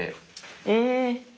え！